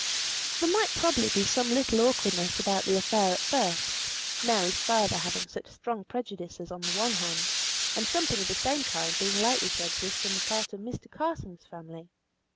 There might probably be some little awkwardness about the affair at first: Mary's father having such strong prejudices on the one hand; and something of the same kind being likely to exist on the part of Mr. Carson's family.